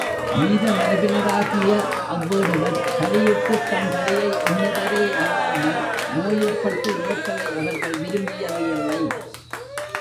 வீர மரபினராகிய அவ்வேடுவர் பலி இட்டுத் தம் தலையை எண்ணுவரேயல்லாமல் நோயில் பட்டு இறத்தலை அவர்கள் விரும்பியது இல்லை.